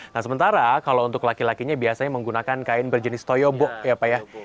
nah sementara kalau untuk laki lakinya biasanya menggunakan kain berjenis toyobo ya pak ya